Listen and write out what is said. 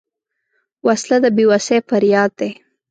وسله د بېوسۍ فریاد دی